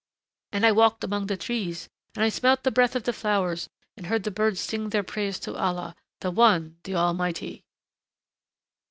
And I walked among the trees and I smelt the breath of the flowers and heard the birds sing their praise to Allah, the One, the Almighty."